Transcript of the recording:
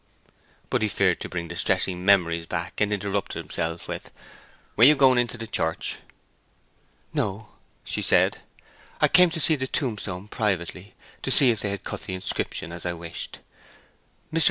But he feared to bring distressing memories back, and interrupted himself with: "Were you going into church?" "No," she said. "I came to see the tombstone privately—to see if they had cut the inscription as I wished. Mr.